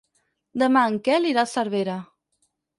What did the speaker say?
Demà en Quel irà a Cervera.